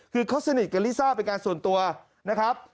คือเขาสนิทกับลิซ่าเป็นการส่วนตัวนะครับ